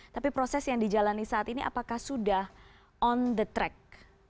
tapi proses yang dijalani saat ini apakah sudah on the track